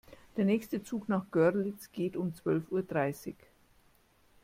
Der nächste Zug nach Görlitz geht um zwölf Uhr dreißig